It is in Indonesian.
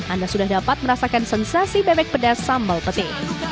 anda sudah dapat merasakan sensasi bebek pedas sambal peti